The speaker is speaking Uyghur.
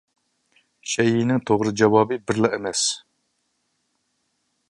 شەيئىنىڭ توغرا جاۋابى بىرلا ئەمەس.